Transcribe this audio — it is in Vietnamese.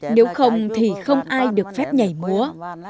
nếu không thì không ai được phép nhảy múa